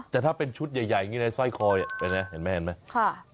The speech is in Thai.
แต่ถ้าเป็นชุดใหญ่อย่างนี้ในสร้อยคอเห็นไหมเห็นไหม